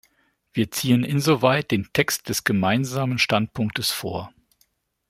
Wir ziehen insoweit den Text des Gemeinsamen Standpunktes vor.